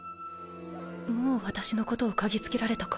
もう私のことを嗅ぎつけられたか。